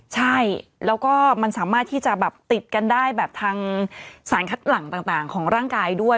ใช่แล้วก็มันสามารถที่จะแบบติดกันได้แบบทางสารคัดหลังต่างของร่างกายด้วย